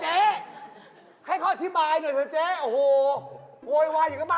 โยยยว่าอย่างกับบ้านเจ๊ไฺ่ไหม้